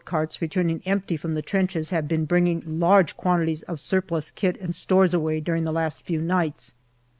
carts returning empty from the trenches have been bringing large quantity of surplus kit and stores away during the last few nights.